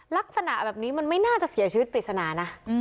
ลักษณะแบบนี้มันไม่น่าจะเสียชีวิตปริศนานะ